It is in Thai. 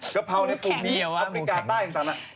กะเพราในกลุ่มนี้อเมริกาใต้ต่าง